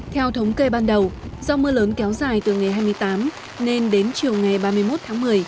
theo thống kê ban đầu do mưa lớn kéo dài từ ngày hai mươi tám nên đến chiều ngày ba mươi một tháng một mươi